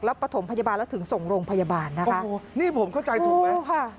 แล้วประถมพยาบาลแล้วถึงส่งโรงพยาบาลนะคะโอ้นี่ผมเข้าใจถูกไหมค่ะ